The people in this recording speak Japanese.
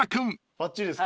ばっちりですか？